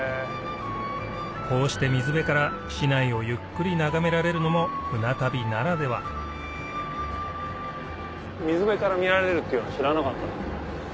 こうして水辺から市内をゆっくり眺められるのも船旅ならでは水辺から見られるっていうの知らなかったな。